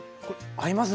合いますよね。